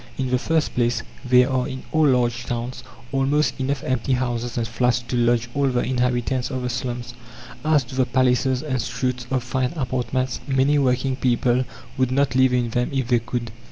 In the first place, there are in all large towns almost enough empty houses and flats to lodge all the inhabitants of the slums. As to the palaces and suites of fine apartments, many working people would not live in them if they could.